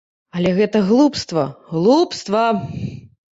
Але гэта глупства, глупства!